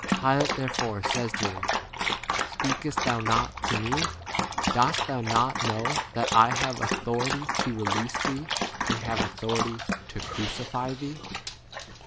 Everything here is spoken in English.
Pilate therefore says to him, Speakest thou not to me? Dost thou not know that I have authority to release t thee and have authority to crucify thee